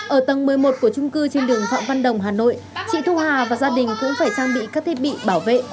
ở tầng một mươi một của trung cư trên đường phạm văn đồng hà nội chị thu hà và gia đình cũng phải trang bị các thiết bị bảo vệ